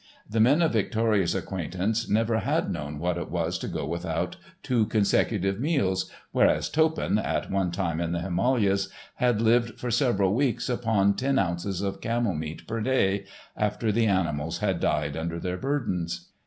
The men of Victoria's acquaintance never had known what it was to go without two consecutive meals, whereas Toppan at one time in the Himalayas had lived for several weeks upon ten ounces of camel meat per day, after the animals had died under their burdens.